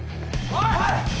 おい！